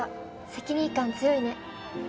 責任感強いね。